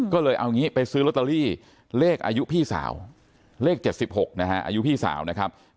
ก็เลยเอางี้ไปซื้อลอตเตอรี่เลขอายุพี่สาวเลข๗๖นะฮะอายุพี่สาวนะครับ